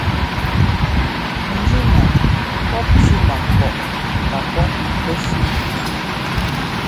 Njínaa pɔ̂p cẅímankɔʼ kapɔ́ pɛ́súu.